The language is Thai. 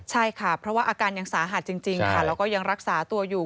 ใช่ค่ะเพราะว่าอาการยังสาหัสจริงค่ะแล้วก็ยังรักษาตัวอยู่